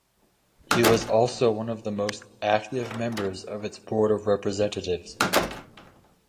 He was also one of the most active members of its board of representatives.